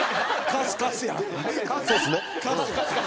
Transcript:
カスカスね。